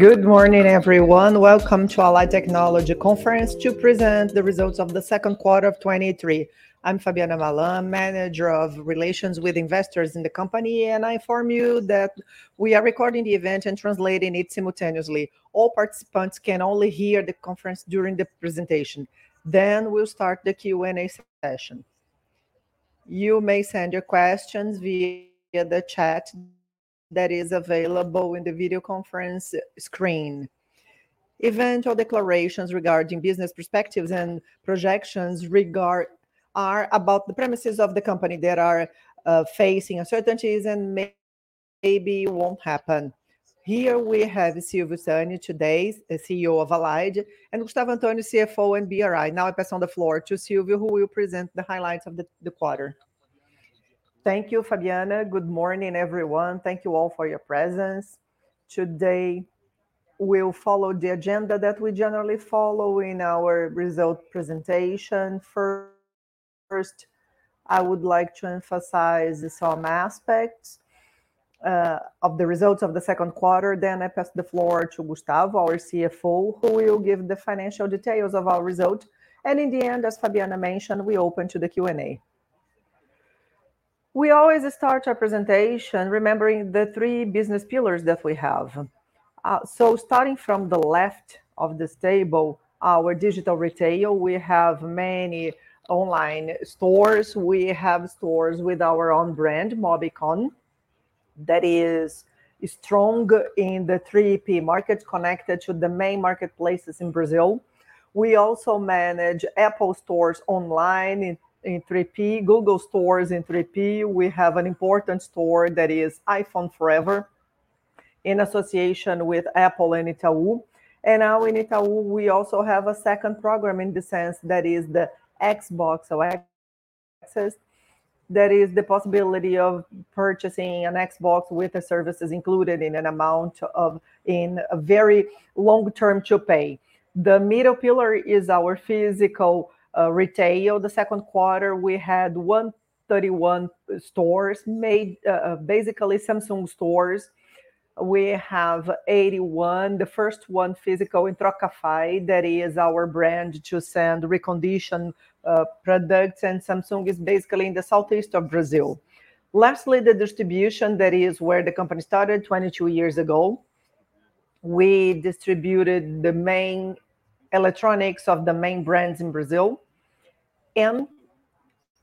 Good morning, everyone. Welcome to Allied Tecnologia Conference to present the results of the second quarter of 2023. I'm Fabiana Malan, Manager of Relations with Investors in the company, and I inform you that we are recording the event and translating it simultaneously. All participants can only hear the conference during the presentation. We'll start the Q&A session. You may send your questions via the chat that is available in the video conference screen. Event or declarations regarding business perspectives and projections are about the premises of the company that are facing uncertainties and maybe won't happen. Here we have Silvio Stagni today, the CEO of Allied, and Gustavo Antonioni, CFO and DRI. I pass on the floor to Silvio, who will present the highlights of the quarter. Thank you, Fabiana. Good morning, everyone. Thank you all for your presence. Today, we'll follow the agenda that we generally follow in our result presentation. First, I would like to emphasize some aspects of the results of the second quarter. I pass the floor to Gustavo, our CFO, who will give the financial details of our result. In the end, as Fabiana mentioned, we open to the Q&A. We always start our presentation remembering the three business pillars that we have. Starting from the left of this table, our digital retail, we have many online stores. We have stores with our own brand, MobCom, that is strong in the 3P market, connected to the main marketplaces in Brazil. We also manage Apple stores online in 3P, Google stores in 3P. We have an important store that is iPhone Para Sempre, in association with Apple and Itaú. Now in Itaú, we also have a second program in the sense that is the Xbox All Access. That is the possibility of purchasing an Xbox with the services included in a very long term to pay. The middle pillar is our physical retail. The second quarter, we had 131 stores made. Basically Samsung stores. We have 81, the first one physical in Trocafy. That is our brand to send reconditioned products, and Samsung is basically in the southeast of Brazil. Lastly, the distribution, that is where the company started 22 years ago. We distributed the main electronics of the main brands in Brazil.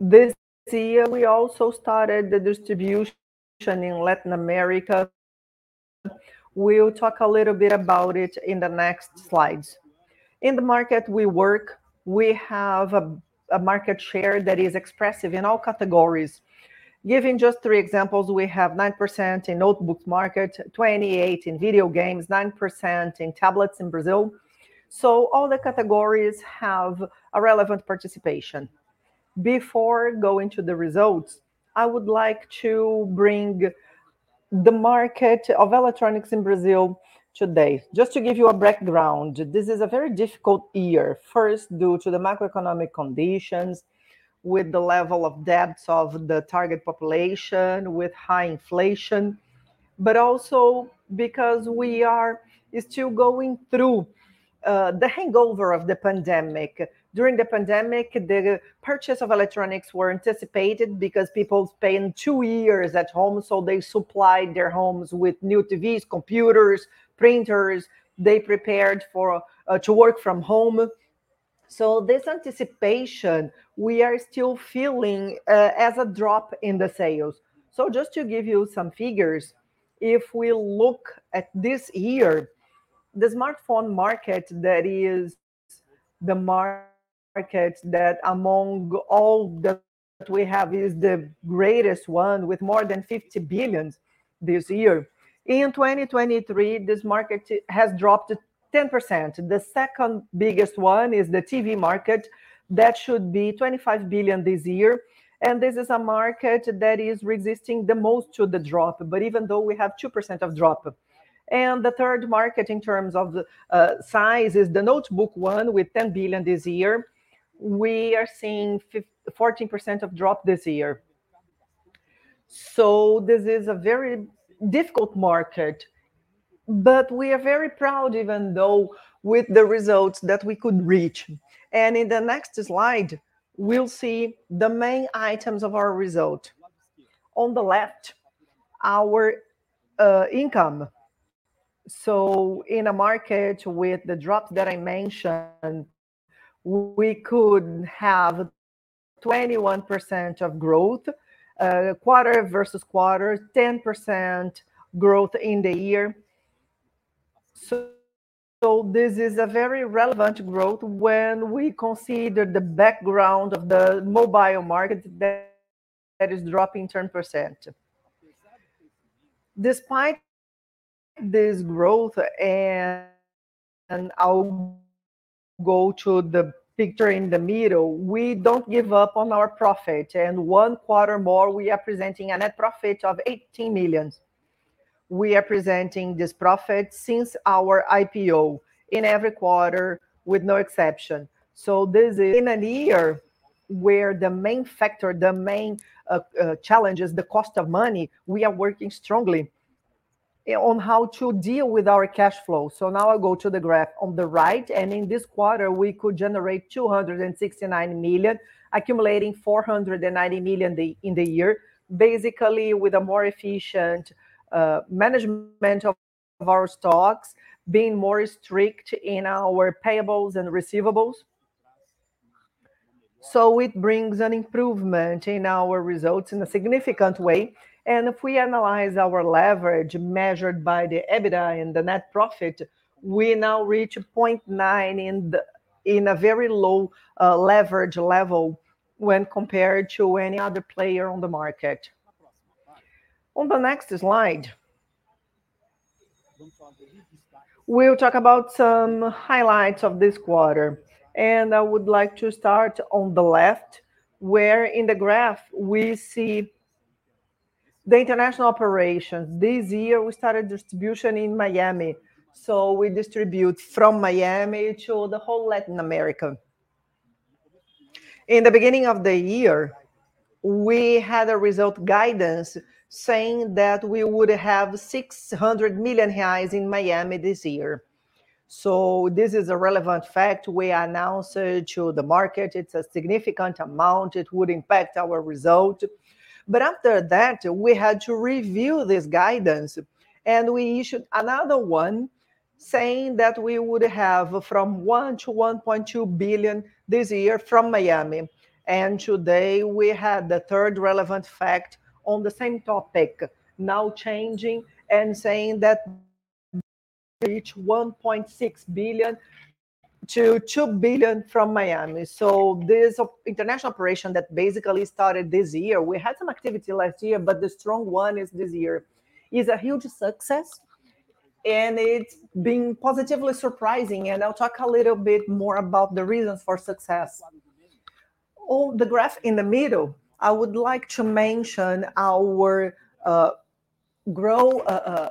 This year we also started the distribution in Latin America. We'll talk a little bit about it in the next slides. In the market we work, we have a market share that is expressive in all categories. Giving just three examples, we have 9% in notebooks market, 28 in video games, 9% in tablets in Brazil. All the categories have a relevant participation. Before going to the results, I would like to bring the market of electronics in Brazil today. Just to give you a background, this is a very difficult year. First, due to the macroeconomic conditions with the level of debts of the target population with high inflation, also because we are still going through the hangover of the pandemic. During the pandemic, the purchase of electronics were anticipated because people spent two years at home, they supplied their homes with new TVs, computers, printers. They prepared to work from home. This anticipation, we are still feeling as a drop in the sales. Just to give you some figures, if we look at this year, the smartphone market, that is the market that among all that we have, is the greatest one with more than 50 billion this year. In 2023, this market has dropped 10%. The second biggest one is the TV market. That should be 25 billion this year, and this is a market that is resisting the most to the drop, but even though we have 2% of drop. The third market in terms of the size is the notebook one with 10 billion this year. We are seeing 14% of drop this year. This is a very difficult market, but we are very proud even though with the results that we could reach. In the next slide, we'll see the main items of our result. On the left, our income. In a market with the drop that I mentioned, we could have 21% of growth, quarter-over-quarter, 10% growth in the year. This is a very relevant growth when we consider the background of the mobile market that is dropping 10%. Despite this growth, I'll go to the picture in the middle, we don't give up on our profit. One quarter more, we are presenting a net profit of 18 million. We are presenting this profit since our IPO in every quarter with no exception. This in a year where the main factor, the main challenge is the cost of money, we are working strongly on how to deal with our cash flow. Now I go to the graph on the right, in this quarter, we could generate 269 million, accumulating 490 million in the year. Basically, with a more efficient management of our stocks, being more strict in our payables and receivables. It brings an improvement in our results in a significant way. If we analyze our leverage measured by the EBITDA and the net profit, we now reach 0.9 in a very low leverage level when compared to any other player on the market. On the next slide, we'll talk about some highlights of this quarter. I would like to start on the left, where in the graph we see the international operations. This year we started distribution in Miami. We distribute from Miami to the whole Latin America. In the beginning of the year, we had a result guidance saying that we would have 600 million reais in Miami this year. This is a relevant fact we announced to the market. It's a significant amount. It would impact our result. After that, we had to review this guidance, we issued another one saying that we would have from 1 billion-1.2 billion this year from Miami. Today we had the third relevant fact on the same topic, now changing and saying that we reach 1.6 billion-2 billion from Miami. This international operation that basically started this year, we had some activity last year, but the strong one is this year, is a huge success, it's been positively surprising. I'll talk a little bit more about the reasons for success. On the graph in the middle, I would like to mention our growth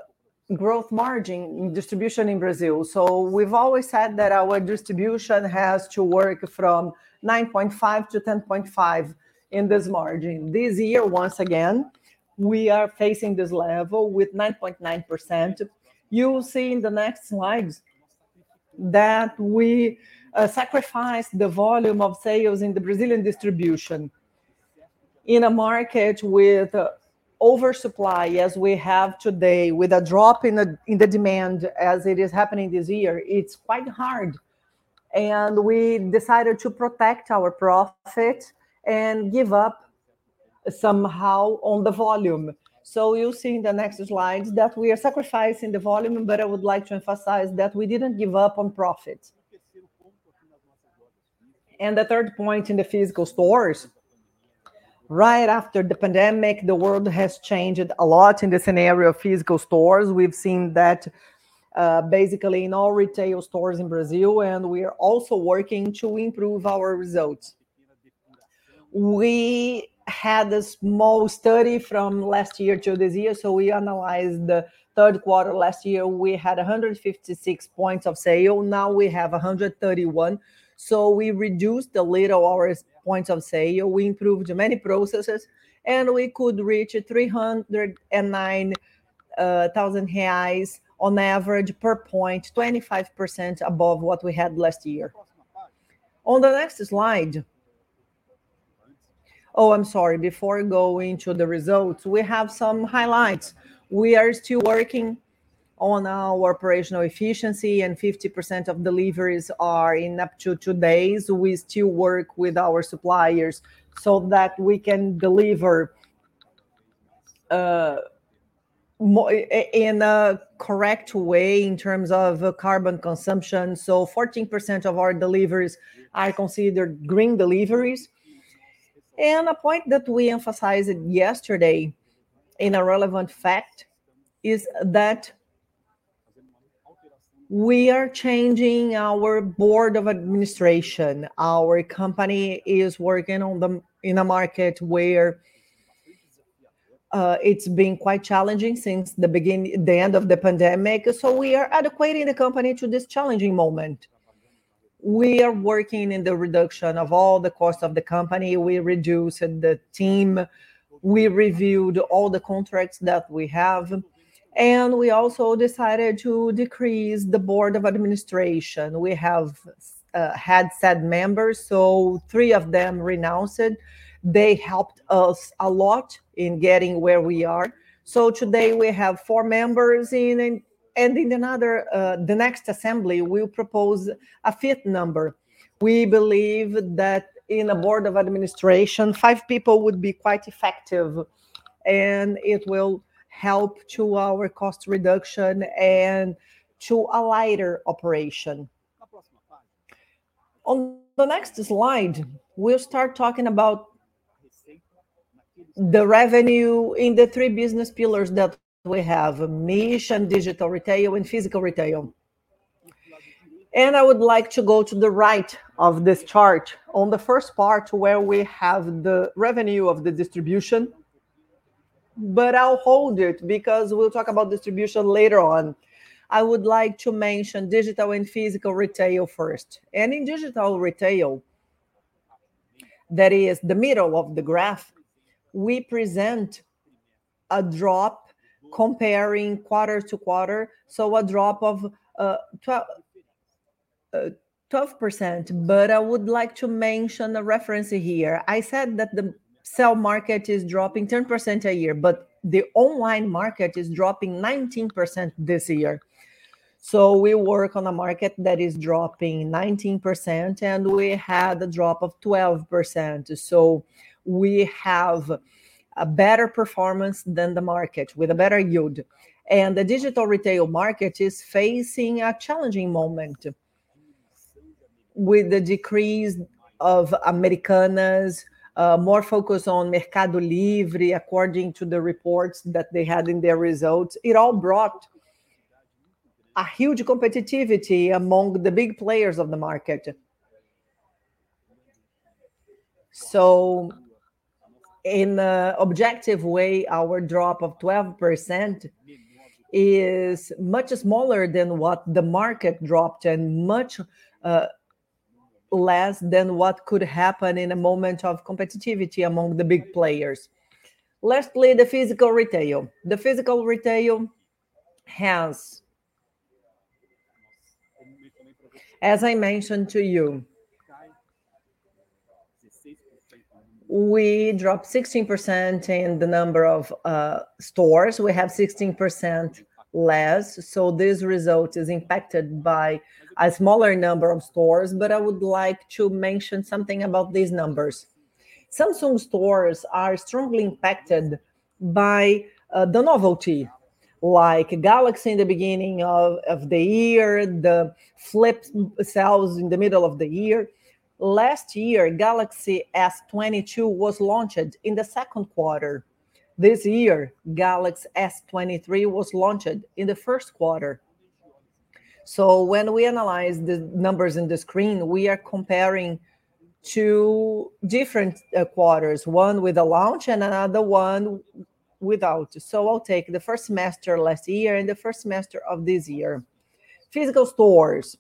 margin distribution in Brazil. We've always said that our distribution has to work from 9.5%-10.5% in this margin. This year, once again, we are facing this level with 9.9%. You will see in the next slides that we sacrificed the volume of sales in the Brazilian distribution. In a market with oversupply as we have today, with a drop in the demand as it is happening this year, it's quite hard. We decided to protect our profit and give up somehow on the volume. You'll see in the next slides that we are sacrificing the volume, but I would like to emphasize that we didn't give up on profit. The third point in the physical stores, right after the pandemic, the world has changed a lot in the scenario of physical stores. We've seen that basically in all retail stores in Brazil, and we are also working to improve our results. We had a small study from last year to this year. We analyzed the third quarter. Last year we had 156 points of sale. Now we have 131. We reduced a little our points of sale. We improved many processes, and we could reach 309,000 reais on average per point, 25% above what we had last year. On the next slide. Oh, I'm sorry. Before going to the results, we have some highlights. We are still working on our operational efficiency, and 50% of deliveries are in up to two days. We still work with our suppliers so that we can deliver in a correct way in terms of carbon consumption. 14% of our deliveries are considered green deliveries. A point that we emphasized yesterday in a relevant fact is that we are changing our board of administration. Our company is working in a market where it's been quite challenging since the end of the pandemic. We are adequately in the company to this challenging moment. We are working in the reduction of all the costs of the company. We reduced the team. We reviewed all the contracts that we have, and we also decided to decrease the board of administration. We have had said members. Three of them renounced it. They helped us a lot in getting where we are. Today we have four members in, and in the next assembly, we'll propose a fifth number. We believe that in a board of administration, five people would be quite effective, and it will help to our cost reduction and to a lighter operation. On the next slide, we'll start talking about the revenue in the three business pillars that we have, distribution, digital retail, and physical retail. I would like to go to the right of this chart. On the first part, where we have the revenue of the distribution. I'll hold it because we'll talk about distribution later on. I would like to mention digital and physical retail first. In digital retail, that is the middle of the graph, we present a drop comparing quarter-over-quarter, a drop of 12%. I would like to mention a reference here. I said that the sell market is dropping 10% a year, but the online market is dropping 19% this year. We work on a market that is dropping 19%, and we had a drop of 12%. We have a better performance than the market with a better yield. The digital retail market is facing a challenging moment with the decrease of Americanas, more focus on Mercado Livre according to the reports that they had in their results. It all brought a huge competitiveness among the big players of the market. In an objective way, our drop of 12% is much smaller than what the market dropped and much less than what could happen in a moment of competitiveness among the big players. Lastly, the physical retail. The physical retail has, as I mentioned to you, we dropped 16% in the number of stores. We have 16% less, this result is impacted by a smaller number of stores. I would like to mention something about these numbers. Samsung stores are strongly impacted by the novelty, like Galaxy in the beginning of the year, the Galaxy Z Flip in the middle of the year. Last year, Galaxy S22 was launched in the second quarter. This year, Galaxy S23 was launched in the first quarter. When we analyze the numbers in the screen, we are comparing two different quarters, one with a launch and another one without. I'll take the first semester last year and the first semester of this year. Physical stores.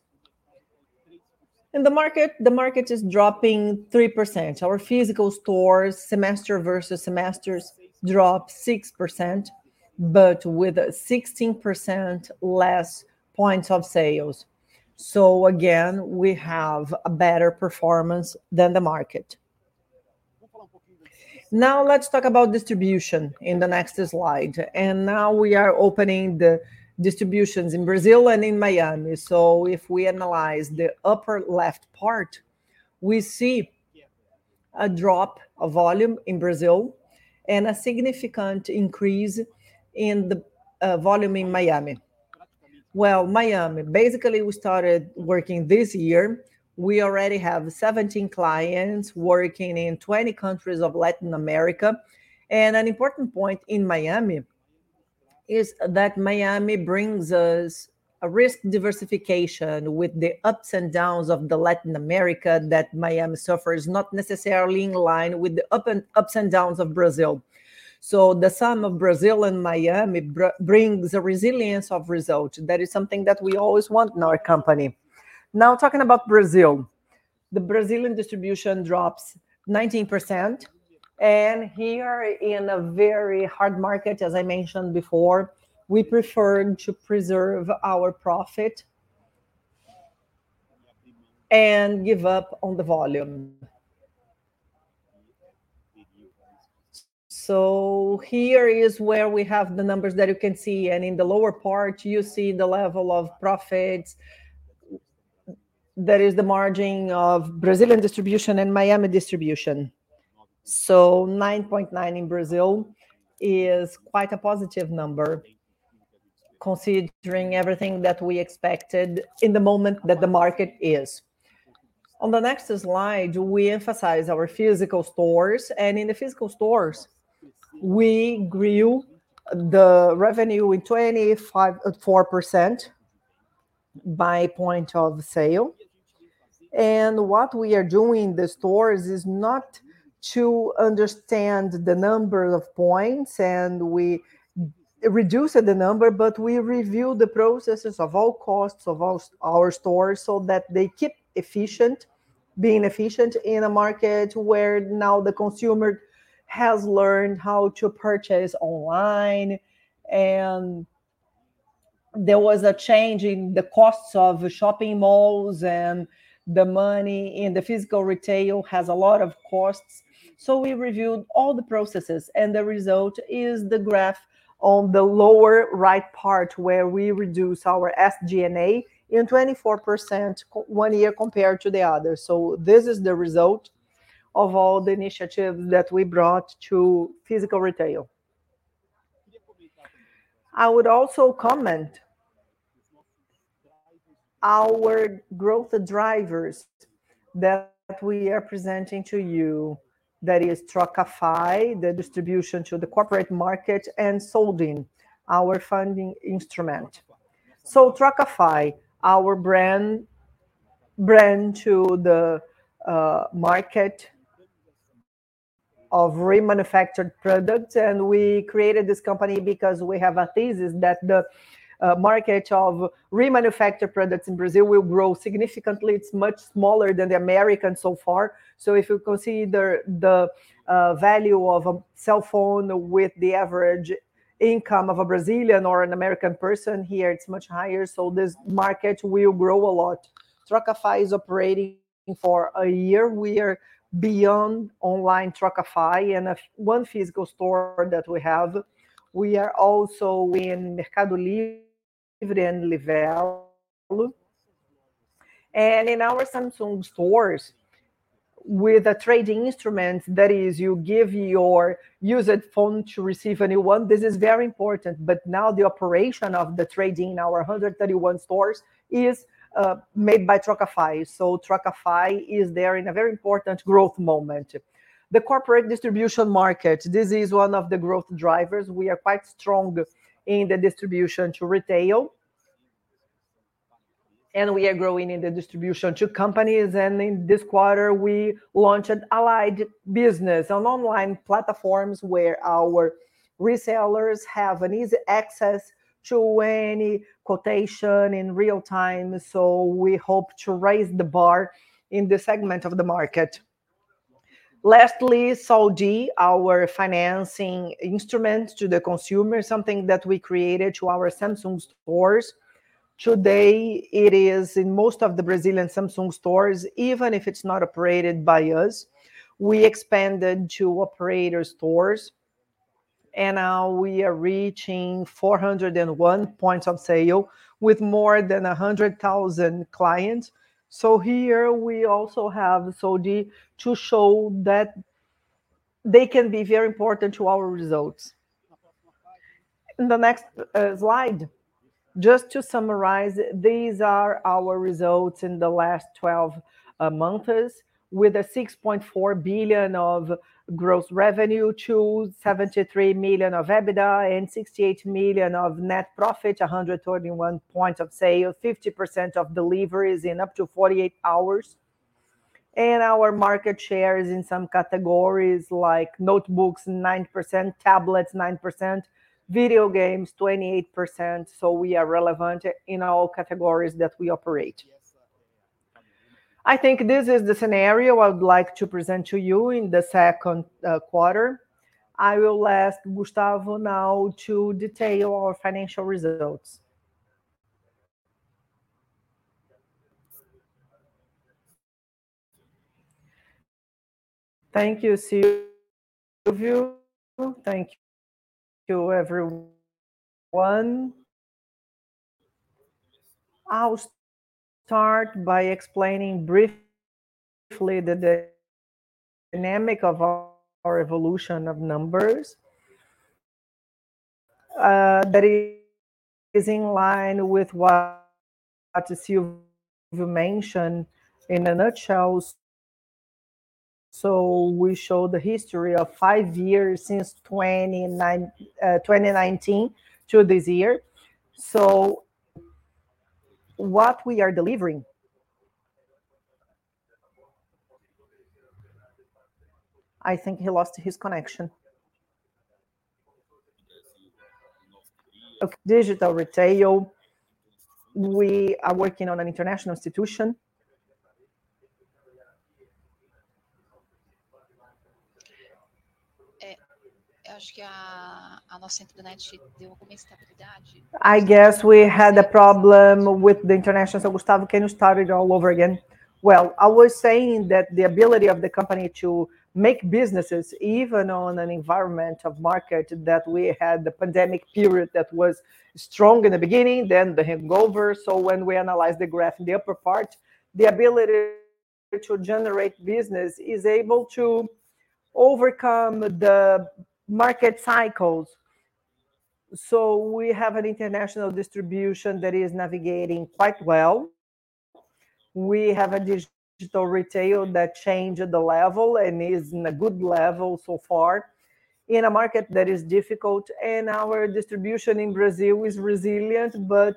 In the market, the market is dropping 3%. Our physical stores semester versus semester dropped 6%, but with 16% less points of sales. Again, we have a better performance than the market. Now let's talk about distribution in the next slide. Now we are opening the distributions in Brazil and in Miami. If we analyze the upper left part, we see a drop of volume in Brazil and a significant increase in the volume in Miami. Well, Miami, basically we started working this year. We already have 17 clients working in 20 countries of Latin America. An important point in Miami is that Miami brings us a risk diversification with the ups and downs of Latin America that Miami suffers, not necessarily in line with the ups and downs of Brazil. The sum of Brazil and Miami brings a resilience of result. That is something that we always want in our company. Now talking about Brazil. The Brazilian distribution drops 19%, here in a very hard market, as I mentioned before, we preferred to preserve our profit and give up on the volume. Here is where we have the numbers that you can see, in the lower part, you see the level of profits. That is the margin of Brazilian distribution and Miami distribution. 9.9% in Brazil is quite a positive number considering everything that we expected in the moment that the market is. On the next slide, we emphasize our physical stores. In the physical stores, we grew the revenue in 24% by point of sale. What we are doing in the stores is not to understand the number of points, we reduced the number, but we reviewed the processes of all costs of all our stores so that they keep efficient, being efficient in a market where now the consumer has learned how to purchase online, there was a change in the costs of shopping malls, and the money in the physical retail has a lot of costs. We reviewed all the processes, the result is the graph on the lower right part where we reduce our SG&A in 24% one year compared to the other. This is the result of all the initiative that we brought to physical retail. I would also comment our growth drivers that we are presenting to you, that is Trocafy, the distribution to the corporate market, and Soudi, our funding instrument. Trocafy, our brand to the market of remanufactured products. We created this company because we have a thesis that the market of remanufactured products in Brazil will grow significantly. It is much smaller than the U.S. so far. If you consider the value of a cellphone with the average income of a Brazilian or an American person, here it is much higher. This market will grow a lot. Trocafy is operating for a year. We are beyond online Trocafy and one physical store that we have. We are also in Mercado Livre and Livelo. In our Samsung stores, with the trading instruments, that is, you give your used phone to receive a new one. This is very important, but now the operation of the trade-in in our 131 stores is made by Trocafy. Trocafy is there in a very important growth moment. The corporate distribution market, this is one of the growth drivers. We are quite strong in the distribution to retail, and we are growing in the distribution to companies. In this quarter, we launched an Allied Business, an online platform where our resellers have an easy access to any quotation in real time. We hope to raise the bar in this segment of the market. Soudi, our financing instrument to the consumer, something that we created to our Samsung stores. Today, it is in most of the Brazilian Samsung stores, even if it is not operated by us. We expanded to operator stores, and now we are reaching 401 points of sale with more than 100,000 clients. Here we also have Soudi to show that they can be very important to our results. In the next slide, just to summarize, these are our results in the last 12 months. With 6.4 billion of gross revenue, 73 million of EBITDA and 68 million of net profit, 131 points of sale, 50% of deliveries in up to 48 hours. Our market shares in some categories, like notebooks, 9%, tablets, 9%, video games, 28%, we are relevant in all categories that we operate. I think this is the scenario I would like to present to you in the second quarter. I will ask Gustavo now to detail our financial results. Thank you, Silvio. Thank you, everyone. I will start by explaining briefly the dynamic of our evolution of numbers, that is in line with what Silvio mentioned in a nutshell. We show the history of five years since 2019 to this year. What we are delivering. I think he lost his connection. Digital retail. We are working on an international institution. I guess we had a problem with the international. Gustavo, can you start it all over again? I was saying that the ability of the company to make businesses, even on an environment of market that we had the pandemic period that was strong in the beginning, then the hangover. When we analyze the graph in the upper part, the ability to generate business is able to overcome the market cycles. We have an international distribution that is navigating quite well. We have a digital retail that changed the level and is in a good level so far in a market that is difficult. Our distribution in Brazil is resilient, but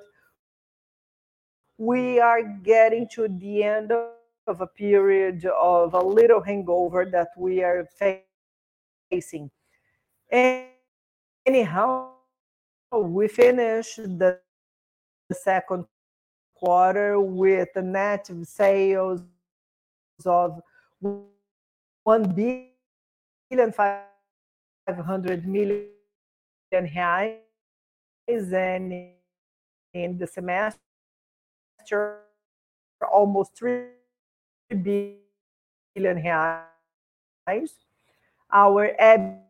we are getting to the end of a period of a little hangover that we are facing. Anyhow, we finished the second quarter with net sales of BRL 1 billion and 500 million. In the semester, almost BRL 3 billion. Our EBITDA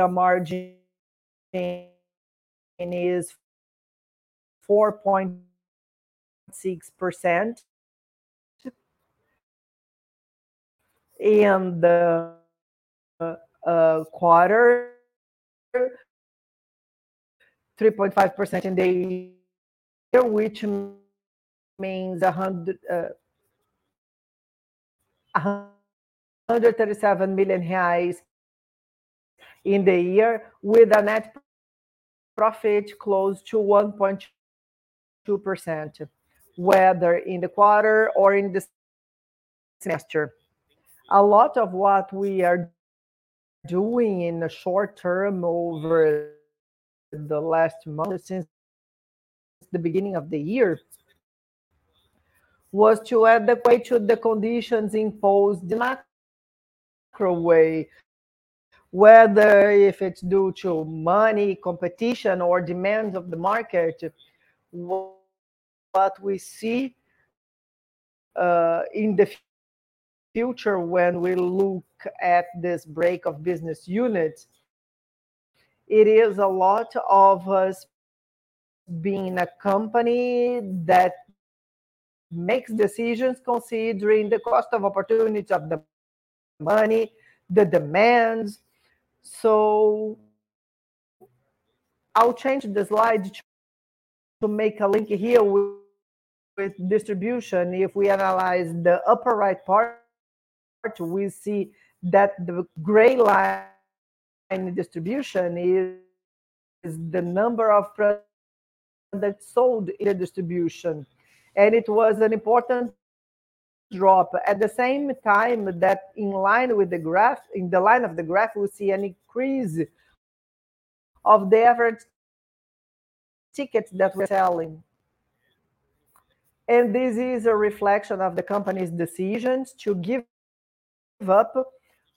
margin is 4.6% in the quarter, 3.5% in the year, which means 137 million reais in the year, with a net profit close to 1.2%, whether in the quarter or in the semester. A lot of what we are doing in the short term over the last month, since the beginning of the year, was to adapt to the conditions imposed in a macro way, whether if it's due to money, competition, or demands of the market. What we see in the future when we look at this break of business units, it is a lot of us being a company that makes decisions considering the cost of opportunities of the money, the demands. I'll change the slide to make a link here with distribution. If we analyze the upper right part, we see that the gray line in the distribution is the number of products that sold in the distribution, and it was an important drop. At the same time, in the line of the graph, we see an increase of the average tickets that we're selling. This is a reflection of the company's decisions to give up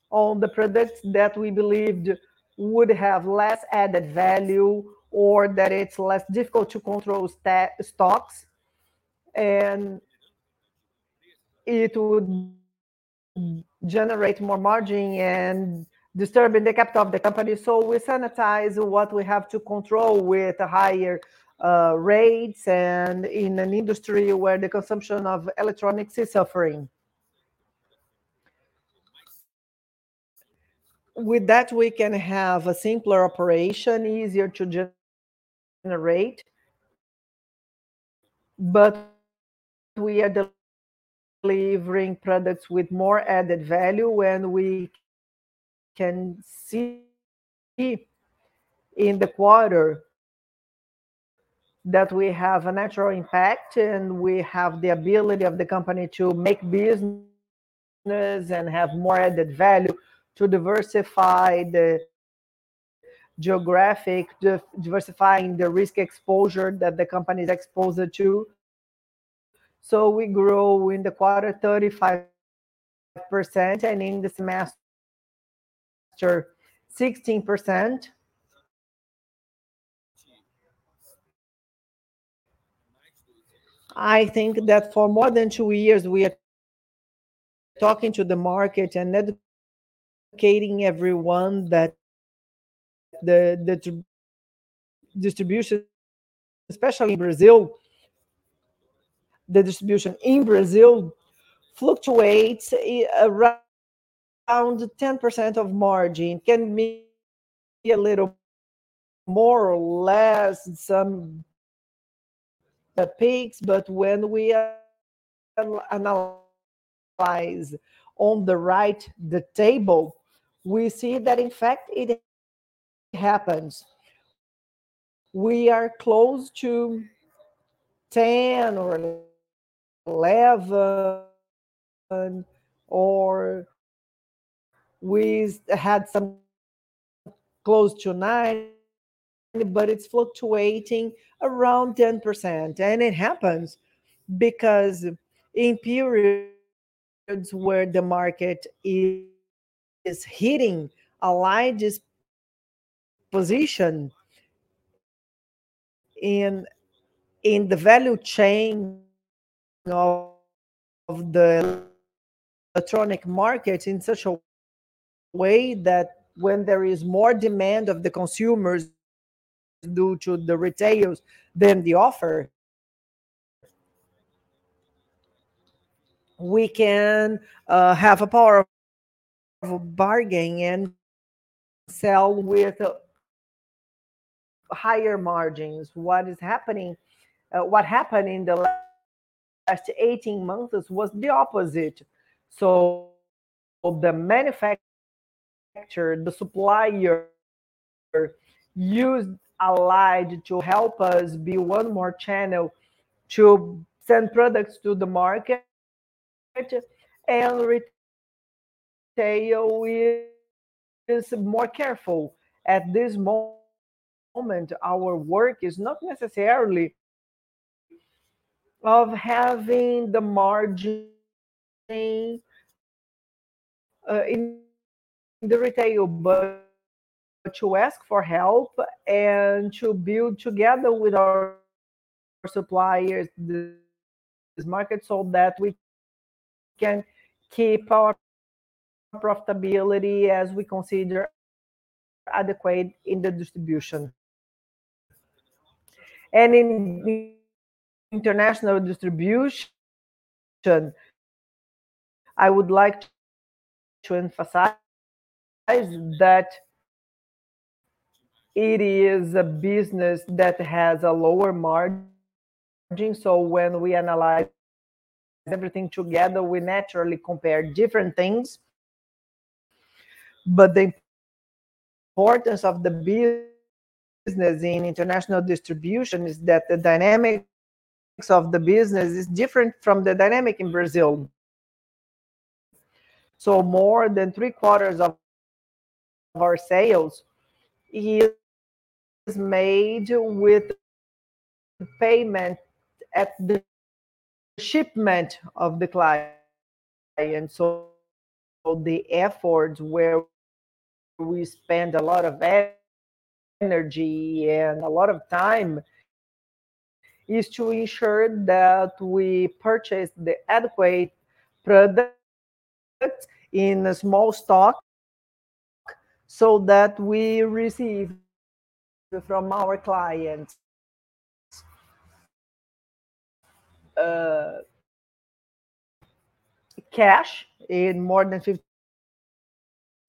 on the products that we believed would have less added value or that it's less difficult to control stocks, and it would generate more margin and disturbing the capital of the company. We sanitize what we have to control with higher rates and in an industry where the consumption of electronics is suffering. With that, we can have a simpler operation, easier to generate, but we are delivering products with more added value when we can see in the quarter that we have a natural impact and we have the ability of the company to make business and have more added value to diversify the geographic, diversifying the risk exposure that the company is exposed to. We grow in the quarter 35% and in the semester 16%. I think that for more than two years, we are talking to the market and educating everyone that the distribution, especially Brazil, the distribution in Brazil fluctuates around 10% of margin. Can be a little more or less, some peaks, but when we analyze on the right the table, we see that in fact it happens. We are close to 10 or 11, or we had some close to nine, but it's fluctuating around 10%. It happens because in periods where the market is hitting Allied's position in the value chain of the electronic market in such a way that when there is more demand of the consumers due to the retailers than the offer, we can have a power of bargaining and sell with higher margins. What happened in the last 18 months was the opposite. The manufacturer, the supplier used Allied to help us be one more channel to send products to the market, and retailer is more careful. At this moment, our work is not necessarily of having the margin in the retail, but to ask for help and to build together with our suppliers this market so that we can keep our profitability as we consider adequate in the distribution. In international distribution, I would like to emphasize that it is a business that has a lower margin. When we analyze everything together, we naturally compare different things. The importance of the business in international distribution is that the dynamics of the business is different from the dynamic in Brazil. More than three-quarters of our sales is made with payment at the shipment of the client. The efforts where we spend a lot of energy and a lot of time is to ensure that we purchase the adequate product in a small stock so that we receive from our clients cash in more than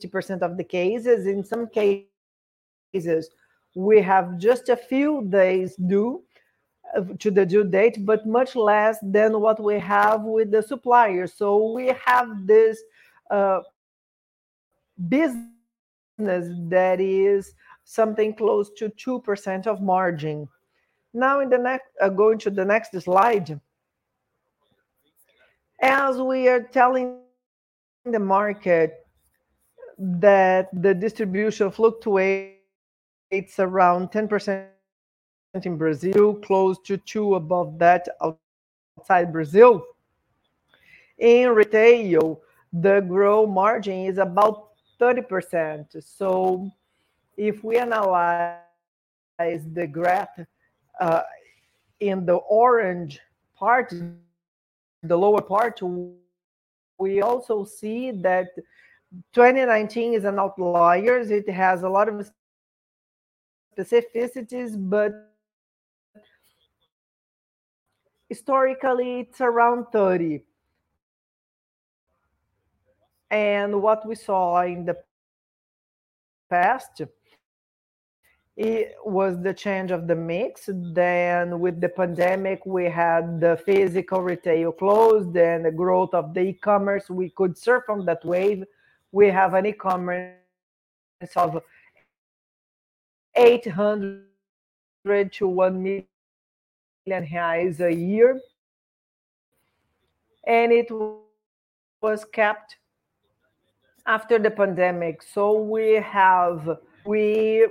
50% of the cases. In some cases, we have just a few days to the due date, but much less than what we have with the suppliers. We have this business that is something close to 2% of margin. Going to the next slide. We are telling the market that the distribution fluctuates around 10% in Brazil, close to 2% above that outside Brazil. In retail, the gross margin is about 30%. If we analyze the graph, in the orange part, the lower part, we also see that 2019 is an outlier. It has a lot of specificities, but historically, it's around 30%. What we saw in the past was the change of the mix. With the pandemic, we had the physical retail closed, then the growth of the e-commerce, we could surf on that wave. We have an e-commerce of 800 thousand to 1 million reais a year. It was kept after the pandemic. We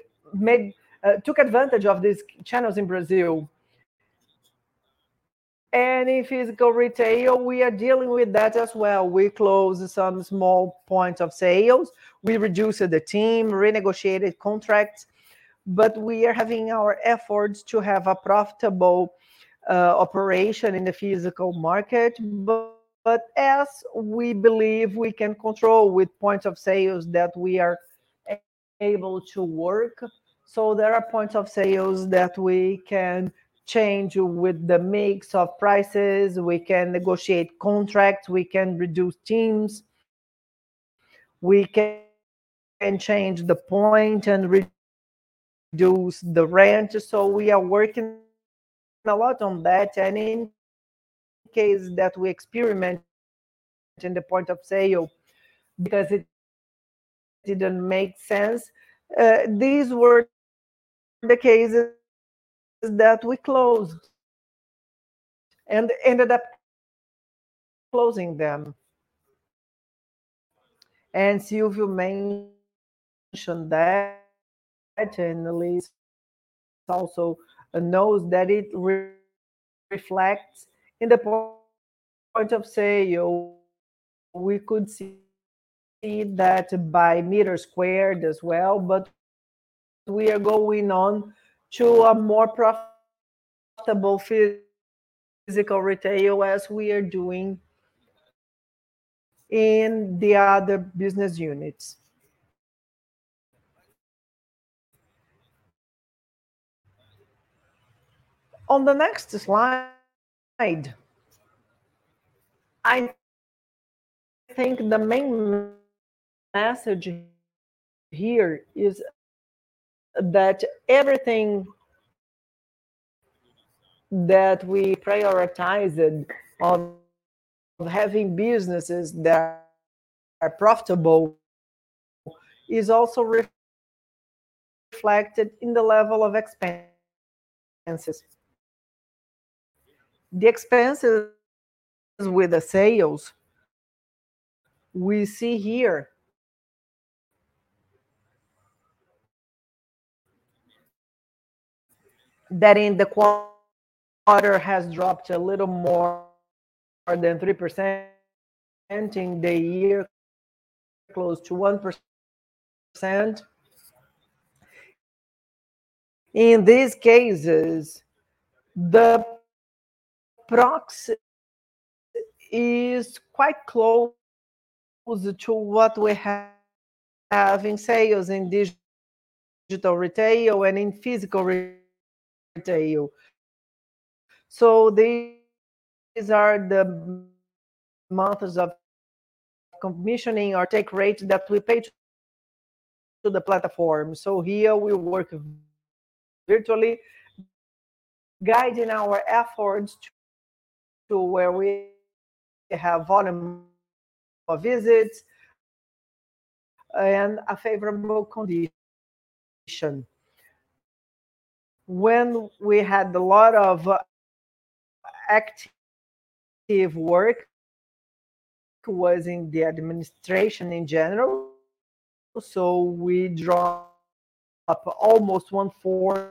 took advantage of these channels in Brazil. In physical retail, we are dealing with that as well. We closed some small points of sales. We reduced the team, renegotiated contracts. We are having our efforts to have a profitable operation in the physical market. As we believe we can control with points of sales that we are able to work. There are points of sales that we can change with the mix of prices. We can negotiate contracts. We can reduce teams. We can change the point and reduce the rent. We are working a lot on that. In case that we experiment in the point of sale, because it didn't make sense, these were the cases that we closed and ended up closing them. Silvio mentioned that, and Liz also knows that it reflects in the point of sale. We could see that by square meter as well. We are going on to a more profitable physical retail as we are doing in the other business units. On the next slide, I think the main message here is that everything that we prioritized on having businesses that are profitable is also reflected in the level of expenses. The expenses with the sales, we see here that in the quarter has dropped a little more than 3%, ending the year close to 1%. In these cases, the proxy is quite close to what we have in sales in digital retail and in physical retail. These are the methods of commissioning our take rates that we paid to the platform. Here we work virtually guiding our efforts to where we have volume of visits and a favorable condition. When we had a lot of active work, it was in the administration in general. We draw up almost one-fourth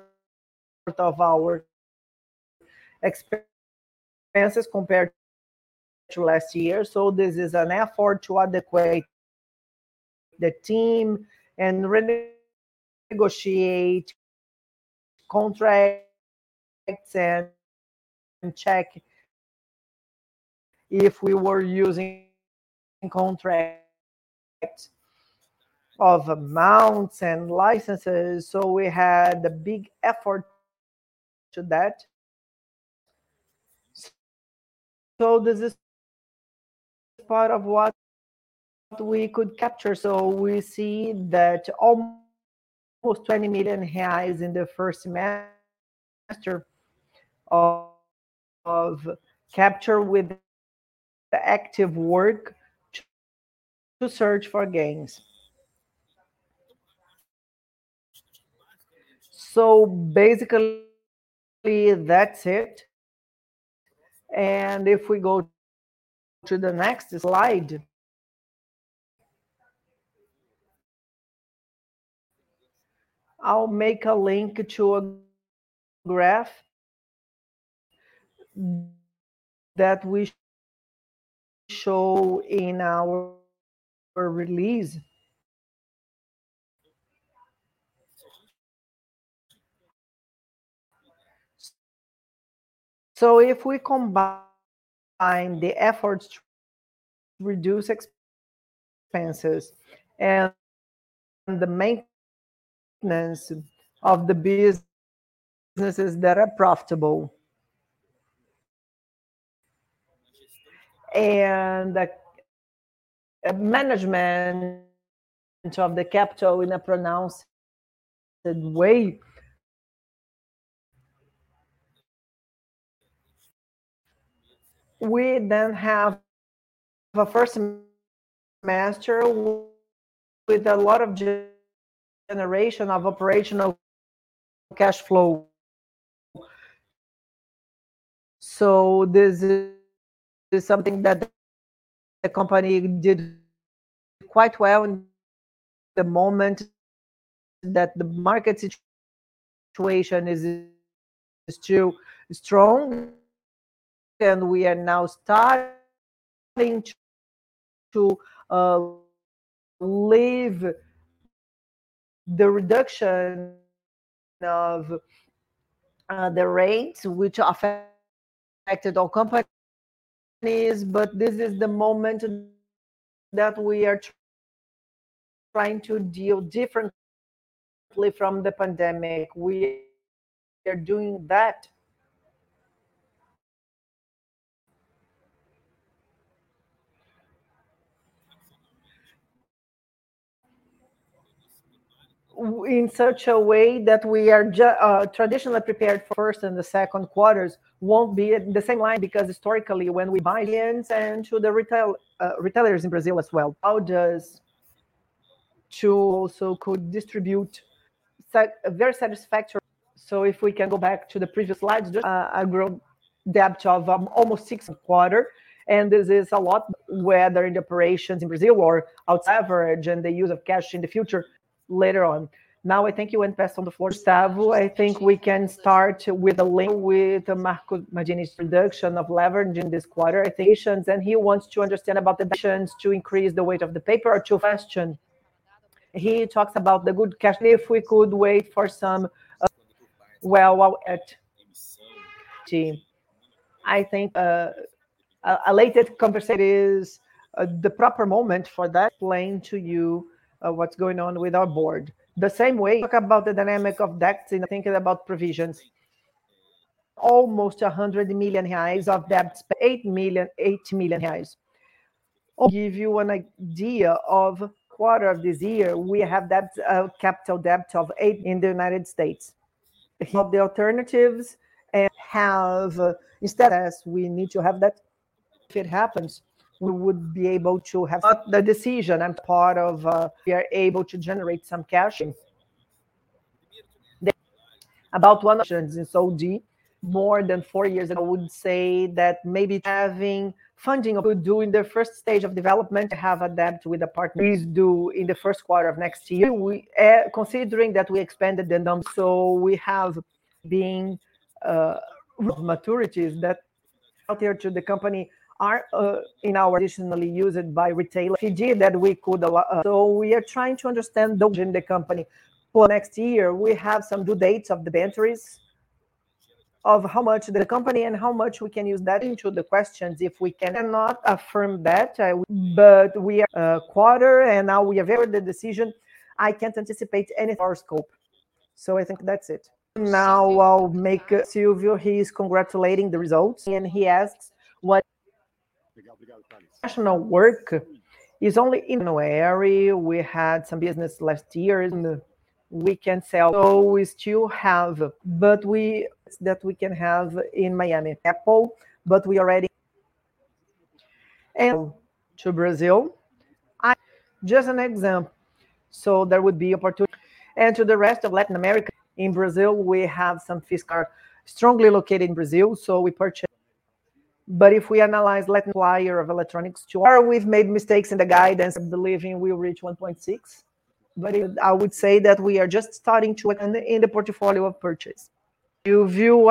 of our expenses compared to last year. This is an effort to adequate the team and renegotiate contracts and check if we were using contracts of amounts and licenses. We had a big effort to that. This is part of what we could capture. We see that almost 20 million reais in the first semester of capture with the active work to search for gains. Basically, that's it. If we go to the next slide, I'll make a link to a graph that we show in our release. If we combine the efforts to reduce expenses and the maintenance of the businesses that are profitable, and the management of the capital in a pronounced way, we then have the first semester with a lot of generation of operational cash flow. This is something that the company did quite well in the moment that the market situation is still strong, and we are now starting to live the reduction of the rates, which affected all companies. This is the moment that we are trying to deal differently from the pandemic. We are doing that in such a way that we are traditionally prepared for first and second quarters won't be the same line because historically when we buy the ends and to the retailers in Brazil as well, how does tool so could distribute very satisfactory. If we can go back to the previous slides, just a growth depth of almost six quarter, and this is a lot whether in operations in Brazil or outside average and the use of cash in the future later on. Now I think you went past on the fourth. Gustavo, I think we can start with a link with Marco Nardini's reduction of leverage in this quarterizations, and he wants to understand about the decisions to increase the weight of the paper or to question. He talks about the good cash. If we could wait for some. Well, while at team. I think a related conversation is the proper moment for that. Explain to you what's going on with our board. The same way, talk about the dynamic of debts and thinking about provisions. Almost 100 million reais of debt. 8 million. Give you an idea of quarter of this year, we have that capital debt of $8 in the United States. Of the alternatives and have instead as we need to have that. If it happens, we would be able to have the decision and part of we are able to generate some cash. About one options in SOG. More than four years ago. I would say that maybe having funding who do in their first stage of development to have a debt with a partner please do in the first quarter of next year. We have been maturities that out there to the company are in our additionally used by retailer. That we could we are trying to understand the in the company. For next year, we have some due dates of the inventories of how much the company and how much we can use that into the questions if we can or not affirm that I would, but we are quarter and now we have made the decision. I can't anticipate any horoscope. I think that's it. Now I'll make Silvio. He is congratulating the results, and he asks what International work is only in one area. We had some business last year in the weekend sale. We still have, but we That we can have in Miami Apple, but we already To Brazil. Just an example. There would be opportunity. To the rest of Latin America. In Brazil, we have some Fiskar strongly located in Brazil, so we purchase. If we analyze Latin supplier of electronics Where we've made mistakes in the guidance of believing we'll reach 1.6 billion, but I would say that we are just starting to In the portfolio of purchase. Silvio,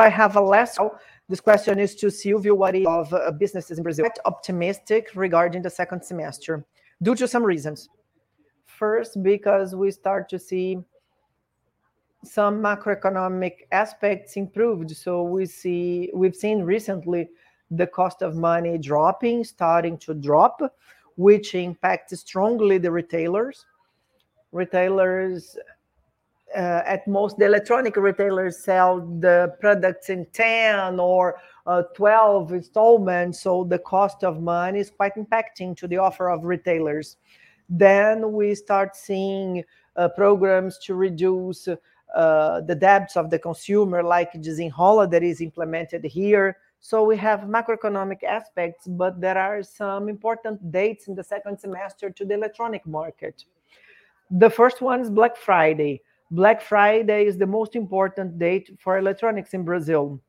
This question is to Silvio. Of businesses in Brazil. Quite optimistic regarding the second semester due to some reasons. First, because we start to see some macroeconomic aspects improved. We've seen recently the cost of money dropping, starting to drop, which impacts strongly the retailers. At most, the electronic retailers sell the products in 10 or 12 installments, the cost of money is quite impacting to the offer of retailers. We start seeing programs to reduce the debts of the consumer, like Desenrola, that is implemented here. We have macroeconomic aspects, but there are some important dates in the second semester to the electronic market. The first one is Black Friday. Black Friday is the most important date for electronics in Brazil.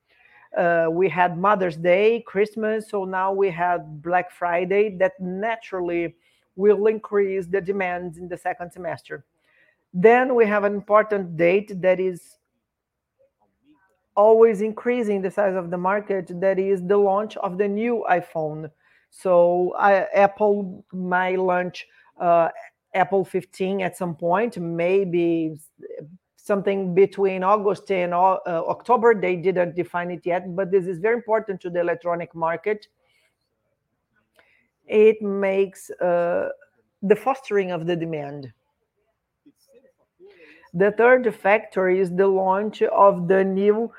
We had Mother's Day, Christmas, now we have Black Friday. That naturally will increase the demand in the second semester. We have an important date that is always increasing the size of the market, that is the launch of the new iPhone. Apple might launch iPhone 15 at some point, maybe something between August and October. They didn't define it yet, but this is very important to the electronic market. It makes the fostering of the demand. The third factor is the launch of the new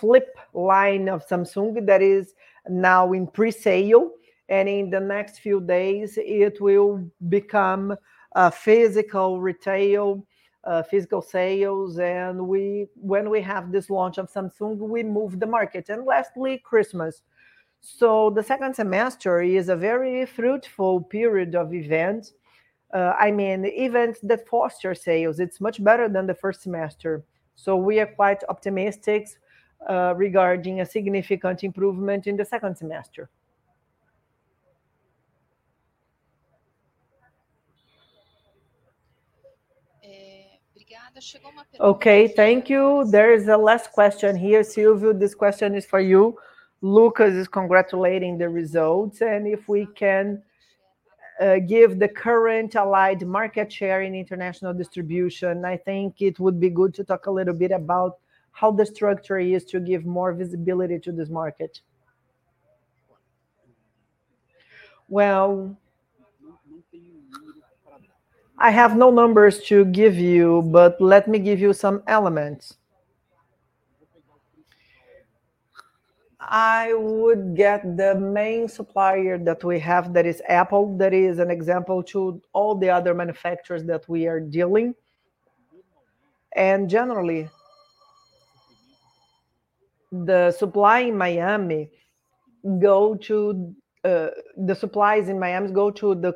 Flip line of Samsung that is now in pre-sale, and in the next few days, it will become physical retail, physical sales, and when we have this launch of Samsung, we move the market. Lastly, Christmas. The second semester is a very fruitful period of events. I mean, events that foster sales. It's much better than the first semester. We are quite optimistic regarding a significant improvement in the second semester. Okay, thank you. There is a last question here. Silvio, this question is for you. Lucas is congratulating the results, and if we can give the current Allied market share in international distribution, I think it would be good to talk a little bit about how the structure is to give more visibility to this market. Well, I have no numbers to give you, but let me give you some elements. I would get the main supplier that we have, that is Apple, that is an example to all the other manufacturers that we are dealing. Generally, the supplies in Miami go to the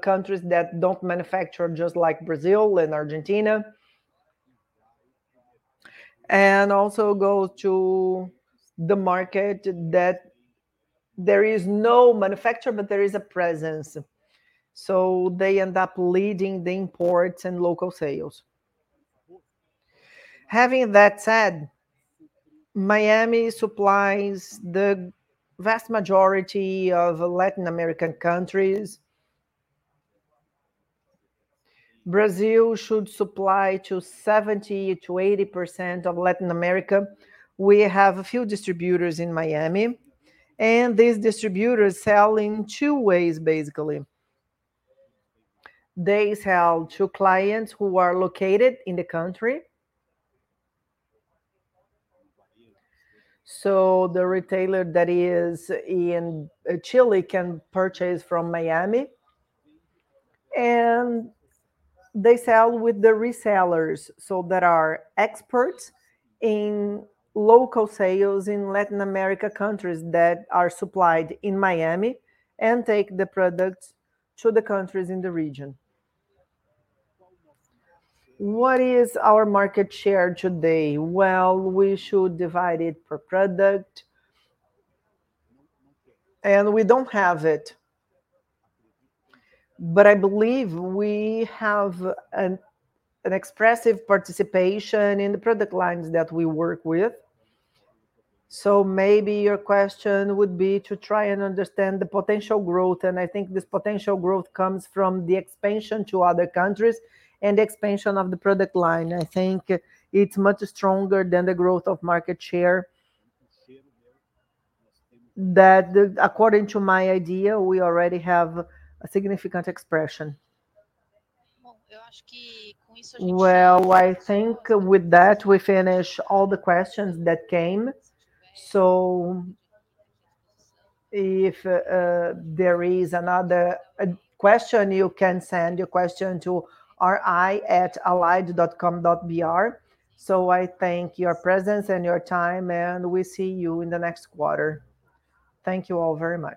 countries that don't manufacture, just like Brazil and Argentina, and also go to the market that there is no manufacturer, but there is a presence. They end up leading the imports and local sales. Having that said, Miami supplies the vast majority of Latin American countries. Brazil should supply to 70%-80% of Latin America. We have a few distributors in Miami, and these distributors sell in two ways, basically. They sell to clients who are located in the country. The retailer that is in Chile can purchase from Miami, and they sell with the resellers. There are experts in local sales in Latin American countries that are supplied in Miami and take the products to the countries in the region. What is our market share today? Well, we should divide it per product, and we don't have it. I believe we have an expressive participation in the product lines that we work with. Maybe your question would be to try and understand the potential growth, and I think this potential growth comes from the expansion to other countries and the expansion of the product line. I think it's much stronger than the growth of market share. That according to my idea, we already have a significant expression. Well, I think with that, we finish all the questions that came. If there is another question, you can send your question to ri@allied.com.br. I thank your presence and your time, and we see you in the next quarter. Thank you all very much.